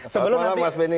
selamat malam mas benny